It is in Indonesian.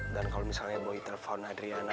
dan kalau misalnya boy telfon adriana